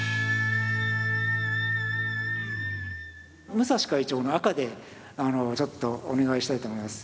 武蔵会長の赤でちょっとお願いしたいと思います。